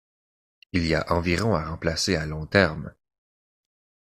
Il y a environ à remplacer à long terme.